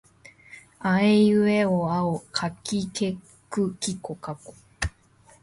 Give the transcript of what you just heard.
あえいうえおあおかけきくけこかこ